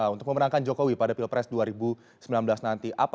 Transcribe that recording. untuk memenangkan jokowi pada pilpres dua ribu sembilan belas nanti